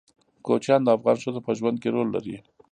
کوچیان د افغان ښځو په ژوند کې رول لري.